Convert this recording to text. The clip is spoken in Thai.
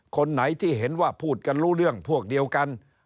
คนไหนที่เห็นว่าพูดกันรู้เรื่องพวกเดียวกัน